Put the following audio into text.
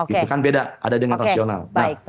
itu kan beda ada dengan rasional